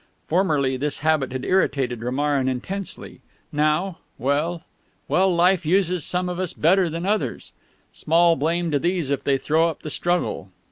Formerly this habit had irritated Romarin intensely; now ... well, well, Life uses some of us better than others. Small blame to these if they throw up the struggle.